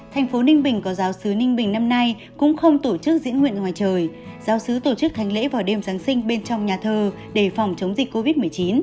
thành phố ninh bình có giáo sứ ninh bình năm nay cũng không tổ chức diễn nguyện ngoài trời giáo sứ tổ chức thánh lễ vào đêm giáng sinh bên trong nhà thờ để phòng chống dịch covid một mươi chín